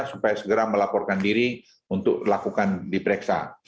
supaya segera melaporkan diri untuk lakukan diperiksa